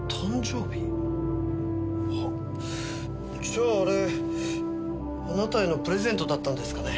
じゃああれあなたへのプレゼントだったんですかね？